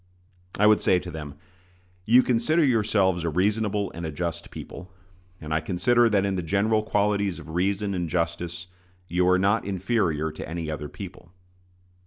I would say to them: You consider yourselves a reasonable and a just people; and I consider that in the general qualities of reason and justice you are not inferior to any other people.